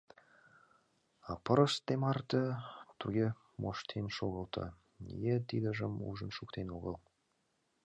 А пырыс тымарте туге моштен шогылто — нигӧ тидыжым ужын шуктен огыл.